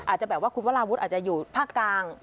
อาจจะแบบว่าคุณวราวุฒิอาจจะอยู่ภาคกลาง